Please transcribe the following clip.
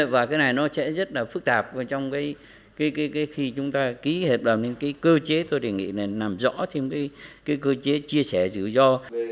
và cái này nó sẽ rất là phức tạp trong cái khi chúng ta ký hợp đồng nên cái cơ chế tôi đề nghị là làm rõ thêm cái cơ chế chia sẻ rủi ro